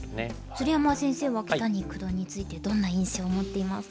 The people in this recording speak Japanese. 鶴山先生は木谷九段についてどんな印象を持っていますか？